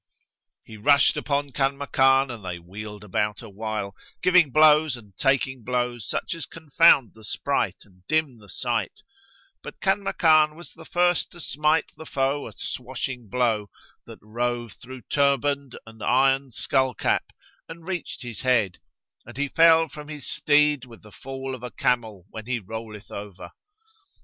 He rushed upon Kanmakan, and they wheeled about awhile, giving blows and taking blows such as confound the sprite and dim the sight; but Kanmakan was the first to smite the foe a swashing blow, that rove through turband and iron skull cap and reached his head, and he fell from his steed with the fall of a camel when he rolleth over.